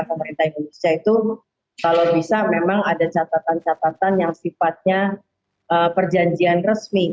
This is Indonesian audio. pemerintah indonesia itu kalau bisa memang ada catatan catatan yang sifatnya perjanjian resmi